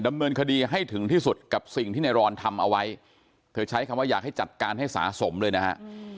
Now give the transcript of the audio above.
ดำเนินคดีให้ถึงที่สุดกับสิ่งที่ในรอนทำเอาไว้เธอใช้คำว่าอยากให้จัดการให้สะสมเลยนะฮะ